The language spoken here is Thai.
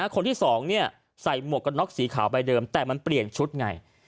คนที่๒ใส่หมวกกันน็อกสีขาวใบเดิมแต่มันเปลี่ยนชุดไง